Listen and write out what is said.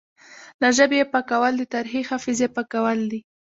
له ژبې یې پاکول د تاریخي حافظې پاکول دي